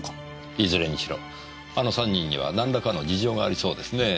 いずれにしろあの３人にはなんらかの事情がありそうですねぇ。